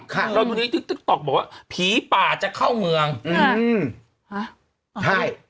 เราดูในติ๊กติ๊กต๊อกบอกว่าผีป่าจะเข้าเมืองอืมฮะใช่